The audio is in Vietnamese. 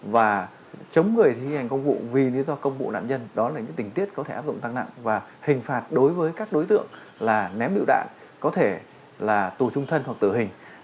và chống người thi hành công vụ vì lý do công vụ nạn nhân đó là những tình tiết có thể áp dụng tăng nặng và hình phạt đối với các đối tượng là ném lựu đạn có thể là tù trung thân hoặc tử hình